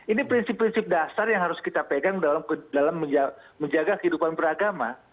ini prinsip prinsip dasar yang harus kita pegang dalam menjaga kehidupan beragama